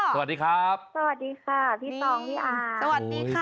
สวัสดีค่ะสวัสดีค่ะพี่ตองพี่อา